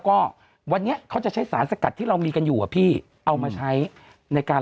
ก็วันนี้เขาจะใช้สารสกัดที่เรามีกันอยู่อ่ะพี่เอามาใช้ในการ